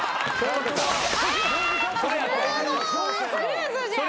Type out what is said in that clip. ルーズじゃん。